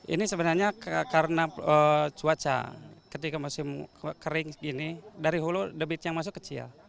ini sebenarnya karena cuaca ketika masih kering gini dari hulu debitnya masuk kecil